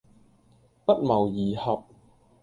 不謀而合